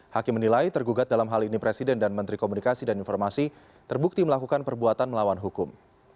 hakim menilai tergugat dalam hal ini presiden dan menteri komunikasi dan informasi terbukti melakukan perbuatan melawan hukum